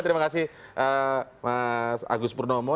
terima kasih mas agus purnomo